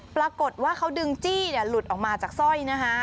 ปรากฏว่าเขาดึงจี้หลุดออกมาจากสร้อยนะคะ